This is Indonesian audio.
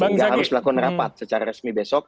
sehingga harus dilakukan rapat secara resmi besok